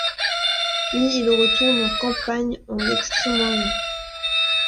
Puis il retourne en campagne en Extrême-Orient.